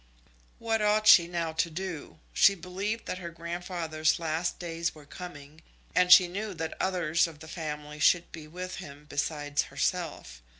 What ought she now to do? She believed that her grandfather's last days were coming, and she knew that others of the family should be with him besides herself.